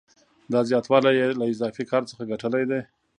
دا زیاتوالی یې له اضافي کار څخه ګټلی دی